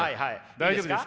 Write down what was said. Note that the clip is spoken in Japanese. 大丈夫ですか？